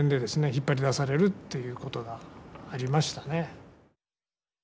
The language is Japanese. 引っ張り出されるということがありましたね。